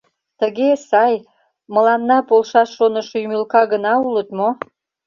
Тыге сай, мыланна полшаш шонышо ӱмылка гына улыт мо?